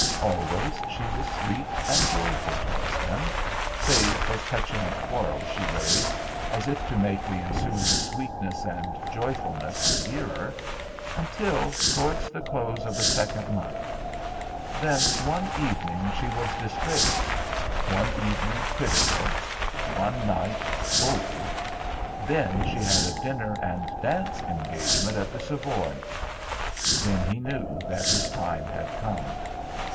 Always she was sweet and joyful towards him save for petulant quarrels she raised as if to make the ensuing sweetness and joyfulness the dearer until towards the close of the second month. Then one evening she was distrait; one evening, critical; one night, cold; then she had a dinner and dance engagement at the Savoy. Then he knew that his time had come.